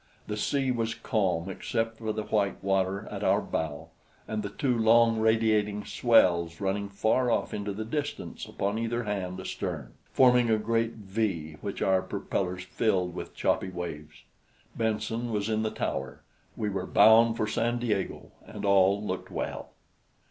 The sea was calm except for the white water at our bows and the two long radiating swells running far off into the distance upon either hand astern, forming a great V which our propellers filled with choppy waves. Benson was in the tower, we were bound for San Diego and all looked well.